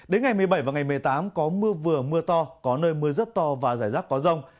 đến ngày một mươi bảy và ngày một mươi tám có mưa vừa mưa to có nơi mưa rất to và rải rác có rông